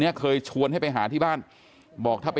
เดี๋ยวให้กลางกินขนม